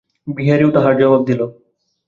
বিহারীও তাহার জবাব দিল।